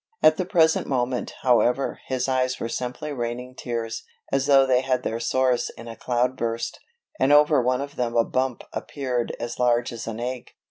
At the present moment, however, his eyes were simply raining tears, as though they had their source in a cloudburst, and over one of them a bump appeared as large as an egg.